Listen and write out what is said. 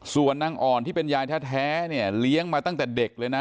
ส่วนนางอ่อนที่เป็นยายแท้เนี่ยเลี้ยงมาตั้งแต่เด็กเลยนะ